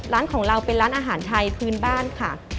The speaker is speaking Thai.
ร้านของเราเป็นร้านอาหารไทยพื้นบ้านค่ะ